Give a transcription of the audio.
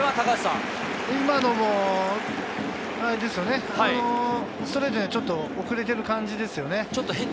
今のもストレートにちょっと遅れている感じですよね。